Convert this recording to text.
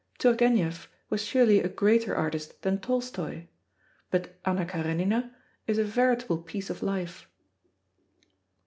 Turgenev was surely a greater artist than Tolstoi, but Anna Karenina is a veritable piece of life.